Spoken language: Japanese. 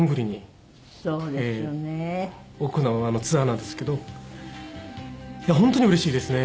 行うツアーなんですけど本当にうれしいですね。